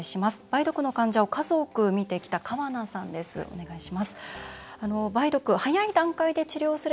梅毒の患者を数多く見てきた川名さんです。